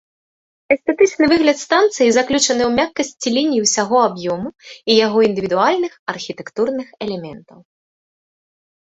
Эстэтычны выгляд станцыі заключаны ў мяккасці ліній усяго аб'ёму і яго індывідуальных архітэктурных элементаў.